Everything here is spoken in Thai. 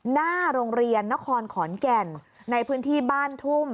หน้าโรงเรียนนครขอนแก่นในพื้นที่บ้านทุ่ม